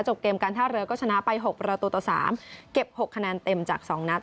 เกมการท่าเรือก็ชนะไป๖ประตูต่อ๓เก็บ๖คะแนนเต็มจาก๒นัด